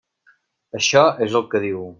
Això és el que diu.